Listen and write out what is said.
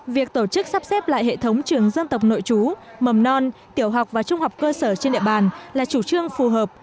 việc tổ chức sắp xếp lại hệ thống trường dân tộc nội chú mầm non tiểu học và trung học cơ sở trên địa bàn là chủ trương phù hợp